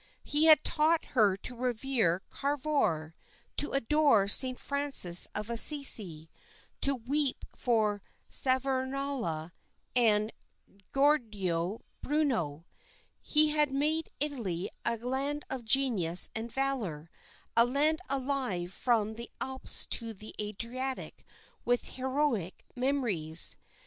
He had taught her to revere Cavour, to adore St. Francis of Assisi, to weep for Savonarola and Giordano Bruno. He had made Italy a land of genius and valour, a land alive from the Alps to the Adriatic with heroic memories.